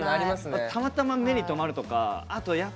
たまたま目に留まるとか。